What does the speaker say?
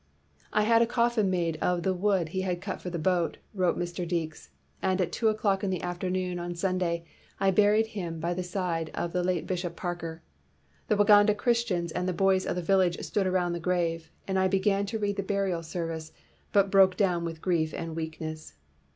"I had a coffin made of the wood he had cut for the boat," wrote Mr. Deekes, "and at two o'clock in the afternoon on Sunday I buried him by the side of the late Bishop Parker. The Waganda Christians and the boys of the village stood around the grave, and I began to read the burial service, but broke down with grief and weakness.